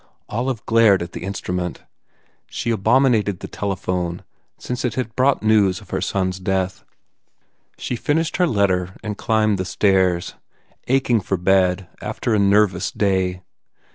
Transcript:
Olive glared at the instrument. She abominated the telephone since it had brought her news of her son s death. She finished her letter and climbed the stairs, aching for bed after a nervous day.